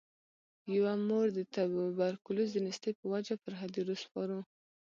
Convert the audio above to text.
یوه مور د توبرکلوز د نیستۍ په وجه پر هدیرو سپارو.